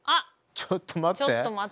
ちょっと待った。